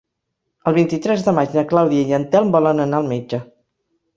El vint-i-tres de maig na Clàudia i en Telm volen anar al metge.